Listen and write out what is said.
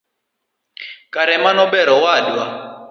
Kare mano ber awadwa.